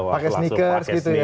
pakai sneakers gitu ya